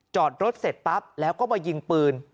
จอดรถเสร็จปั๊บแล้วก็มายิงปืน